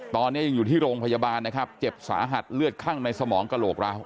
ตอนนี้ยังอยู่ที่โรงพยาบาลนะครับเจ็บสาหัสเลือดคั่งในสมองกระโหลกร้าว